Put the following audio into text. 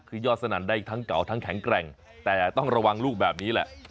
คือยอดสนั่นได้ทั้งเก่าทั้งแข็งแกร่งแต่ต้องระวังลูกแบบนี้แหละ